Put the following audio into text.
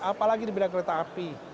apalagi di bidang kereta api